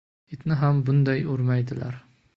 Itni ham bunday urmaydilar.